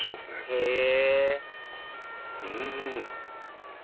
へぇうん！